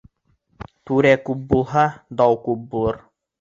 Түрә күп булһа, дау күп булыр.